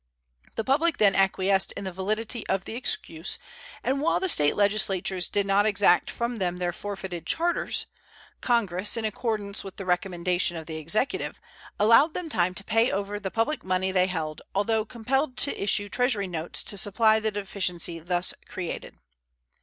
The public then acquiesced in the validity of the excuse, and while the State legislatures did not exact from them their forfeited charters, Congress, in accordance with the recommendation of the Executive, allowed them time to pay over the public money they held, although compelled to issue Treasury notes to supply the deficiency thus created.